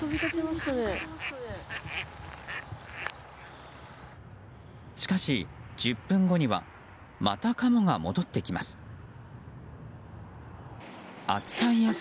しかし１０分後にはまたカモが戻ってきます。